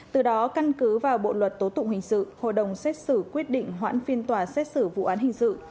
từ đó căn cứ vào bộ luật tố tụng hình sự hội đồng xét xử quyết định hoãn phiên tòa xét xử vụ án hình sự